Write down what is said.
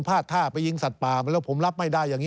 ดท่าไปยิงสัตว์ป่าไปแล้วผมรับไม่ได้อย่างนี้